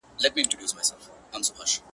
د جهاني غزل د شمعي په څېر ژبه لري-